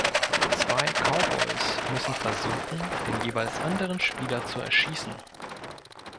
Zwei Cowboys müssen versuchen, den jeweils anderen Spieler zu erschießen.